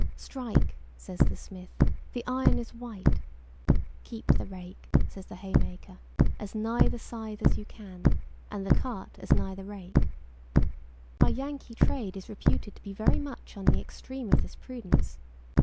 Strike, says the smith, the iron is white; keep the rake, says the haymaker, as nigh the scythe as you can, and the cart as nigh the rake. Our Yankee trade is reputed to be very much on the extreme of this prudence.